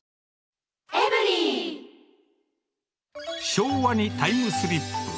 昭和にタイムスリップ！